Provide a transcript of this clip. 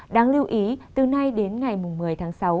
đáng lưu ý từ nay đến ngày một mươi tháng sáu